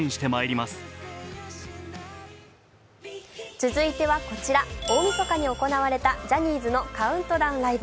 続いてはこちら大みそかに行われたジャニーズのカウントダウンライブ。